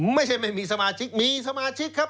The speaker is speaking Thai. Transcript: ไม่ใช่ไม่มีสมาชิกมีสมาชิกครับ